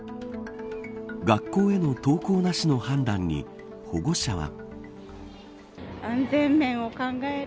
学校への登校なしの判断に保護者は。